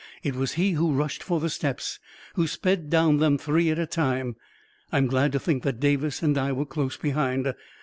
It was he who rushed for the steps — who sped down them three at a time. I am glad to think that Davis and I were close behind!